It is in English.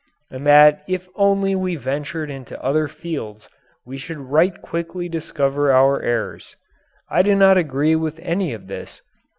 And that if only we ventured into other fields we should right quickly discover our errors. I do not agree with any of this.